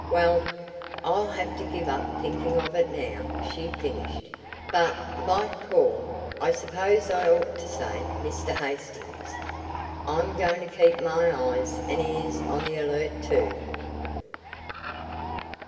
Well, I'll have to give up thinking of it now," she finished, "but, like Paul I suppose I ought to say Mr. Hastings I'm going to keep my eyes and ears on the alert, too."